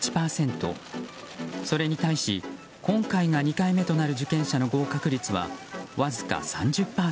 それに対し、今回が２回目となる受験者の合格率はわずか３０％。